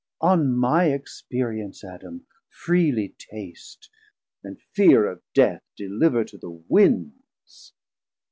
On my experience, Adam, freely taste, And fear of Death deliver to the Windes.